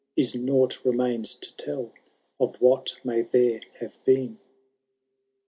Is nought remains to tell of what may there have been.